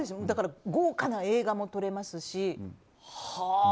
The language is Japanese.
だから豪華な映画も撮れますし。